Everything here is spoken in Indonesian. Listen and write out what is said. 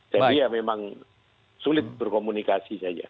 jadi ya memang sulit berkomunikasi saja